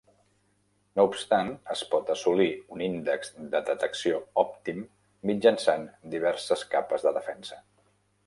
No obstant, es pot assolir un índex de detecció òptim mitjançant diverses capes de defensa.